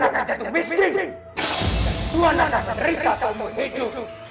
akan jatuh wisdom tuhan akan merita selamanya itu